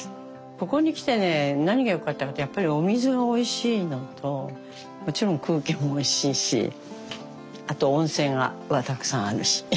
ここに来てね何が良かったかってやっぱりお水がおいしいのともちろん空気もおいしいしあと温泉がたくさんあるし。